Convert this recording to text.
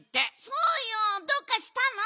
そうよどうかしたの？